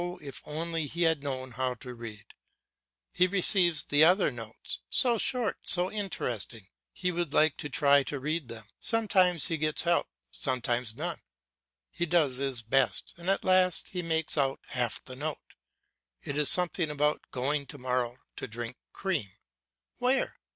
if only he had known how to read! He receives other notes, so short, so interesting, he would like to try to read them. Sometimes he gets help, sometimes none. He does his best, and at last he makes out half the note; it is something about going to morrow to drink cream Where?